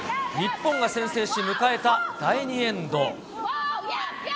日本が先制し、迎えた第２エンド。